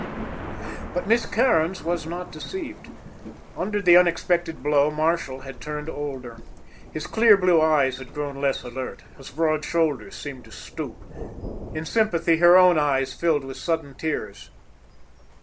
But Miss Cairns was not deceived. Under the unexpected blow, Marshall had turned older. His clear blue eyes had grown less alert, his broad shoulders seemed to stoop. In sympathy, her own eyes filled with sudden tears.